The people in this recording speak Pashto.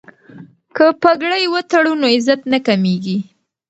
که پګړۍ وتړو نو عزت نه کمیږي.